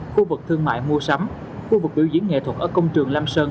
khu vực thương mại mua sắm khu vực biểu diễn nghệ thuật ở công trường lam sơn